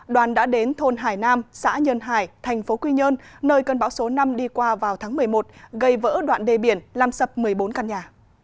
đoàn đã đến thôn hải nam xã nhân hải thành phố quy nhơn nơi cơn bão số năm đi qua vào tháng một mươi một gây vỡ đoạn đê biển làm sập một mươi bốn căn nhà